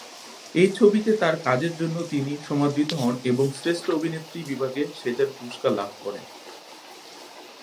এই ছবিতে তার কাজের জন্য তিনি সমাদৃত হন এবং শ্রেষ্ঠ অভিনেত্রী বিভাগে সেজার পুরস্কার লাভ করেন।